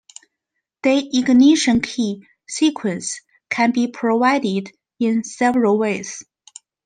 The ignition key sequence can be provided in several ways.